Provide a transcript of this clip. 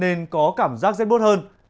nên có cảm giác rết bốt hơn